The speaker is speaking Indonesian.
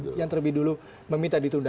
yang terlebih dulu meminta ditunda